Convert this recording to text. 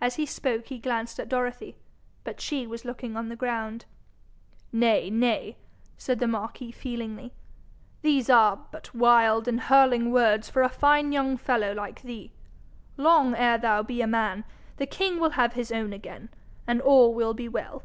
As he spoke he glanced at Dorothy, but she was looking on the ground. 'Nay, nay!' said the marquis feelingly. 'These are, but wild and hurling words for a fine young fellow like thee. Long ere thou be a man, the king will have his own again, and all will be well.